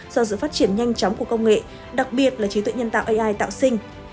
do sự phát triển nhanh chóng của công nghệ đặc biệt là trí tuệ nhân tạo ai tạo sinh